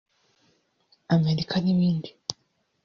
Amerika n'ibindi